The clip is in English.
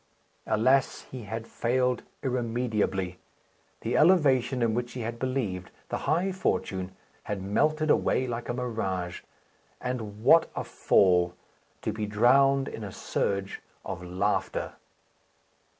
Alas! he had failed irremediably. The elevation in which he had believed, the high fortune, had melted away like a mirage. And what a fall! To be drowned in a surge of laughter!